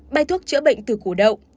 bài thuốc chữa bệnh từ củ đậu